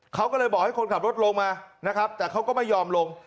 เขาก็เลยบอกให้คนขับรถลงมานะครับแต่เขาก็ไม่ยอมลง